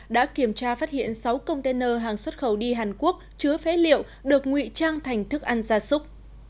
đã kiểm tra phát hiện sáu container hàng xuất khẩu đi hàn quốc chứa phế liệu được nguy trang thành thức ăn gia súc